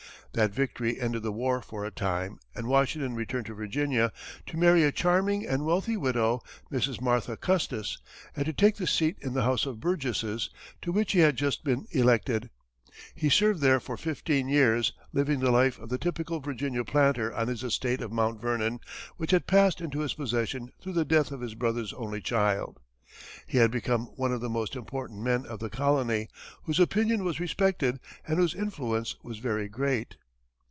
That victory ended the war for a time, and Washington returned to Virginia to marry a charming and wealthy widow, Mrs. Martha Custis, and to take the seat in the House of Burgesses to which he had just been elected. He served there for fifteen years, living the life of the typical Virginia planter on his estate of Mount Vernon, which had passed into his possession through the death of his brother's only child. He had become one of the most important men of the colony, whose opinion was respected and whose influence was very great.